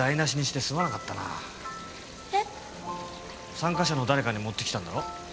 参加者の誰かに持ってきたんだろ？